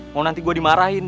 mau nanti gue dimarahin